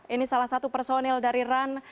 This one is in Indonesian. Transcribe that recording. ini salah satu personil dari ran